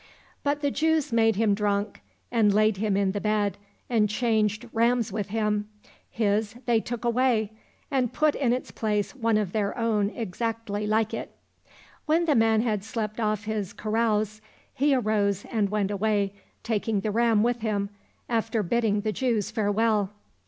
But the Jews made him drunk, and laid him in the bed, and changed rams with him ; his they took away, and put in its place one of their own exactly like it. When the man had slept off his carouse, he arose and went away, taking the ram with him, after bidding the Jews farewell.